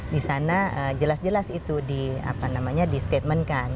di sana jelas jelas itu di apa namanya di statement kan